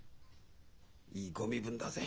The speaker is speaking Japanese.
いいご身分だぜ。